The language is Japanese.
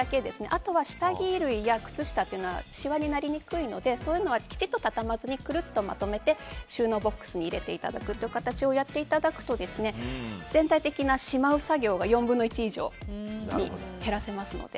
あとは下着類や靴下というのはしわになりにくいのでそういうのはきちっと畳まずにくるっとまとめて収納ボックスに入れるという形でやっていただくと全体的なしまう作業が４分の１以上に減らせますので。